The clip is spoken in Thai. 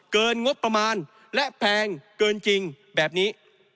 งบประมาณและแพงเกินจริงแบบนี้